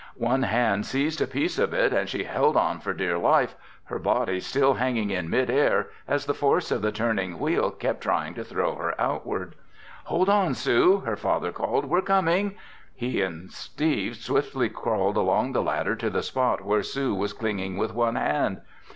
One hand seized a piece of it and she held on for dear life, her body still hanging in mid air as the force of the turning Wheel kept trying to throw her outward. "Hold on, Sue!" her father called. "We're coming!" He and Steve swiftly crawled along the ladder to the spot where Sue was clinging with one hand.